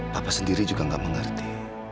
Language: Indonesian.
papa sendiri juga gak mengerti